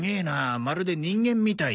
まるで人間みたいだ。